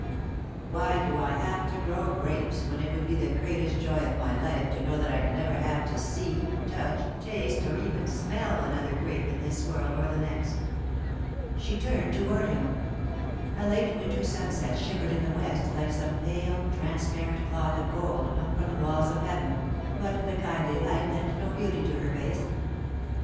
Why do I have to grow grapes when it would be the greatest joy of my life to know that I'd never have to see, touch, taste, or even smell another grape in this world or the next?" She turned toward him. A late Winter sunset shimmered in the west like some pale, transparent cloth of gold hung from the walls of heaven, but the kindly light lent no beauty to her face.